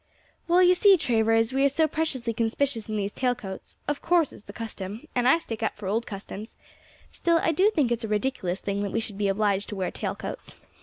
"Well, you see, Travers, we are so preciously conspicuous in these tail coats; of course it's the custom, and I stick up for old customs; still, I do think it's a ridiculous thing that we should be obliged to wear tail coats.